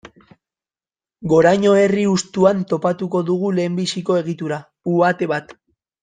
Goraño herri hustuan topatuko dugu lehenbiziko egitura, uhate bat.